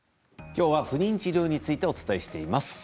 きょうは不妊治療についてお伝えしています。